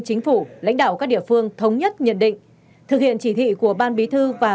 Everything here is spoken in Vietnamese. chính phủ lãnh đạo các địa phương thống nhất nhận định thực hiện chỉ thị của ban bí thư và